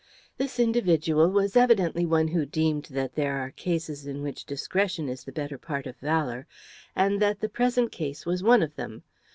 This individual was evidently one who deemed that there are cases in which discretion is the better part of valour, and that the present case was one of them.